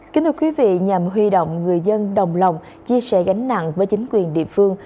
kính thưa quý vị nhằm huy động người dân đồng lòng chia sẻ gánh nặng với chính quyền địa phương